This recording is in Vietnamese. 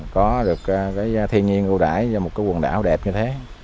có được cái thiên nhiên ưu đải và một cái quần đảo đẹp như thế